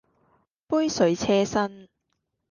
杯水車薪